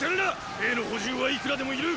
兵の補充はいくらでもいる！